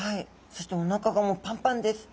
そしておなかがもうパンパンです。